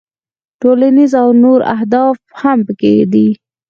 ټولنیز او نور اهداف هم پکې دي.